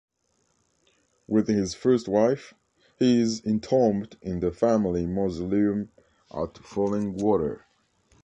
With his first wife, he is entombed in the family mausoleum at Fallingwater.